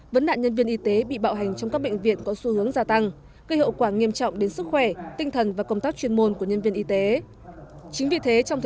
vấn đạn nhân viên y tế bị bạo hành trong các bệnh viện có xu hướng gia tăng